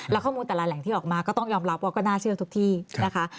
แล้วข้อมูลแต่ละแหล่งที่ออกมาก็ต้องยอมรับว่าก็น่าเชื่อทุกที่นะคะ